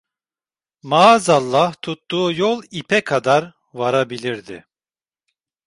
Maazallah tuttuğu yol ipe kadar varabilirdi.